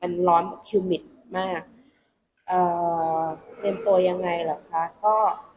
เอ่อมันร้อนมากเอ่อเตรียมตัวยังไงล่ะคะก็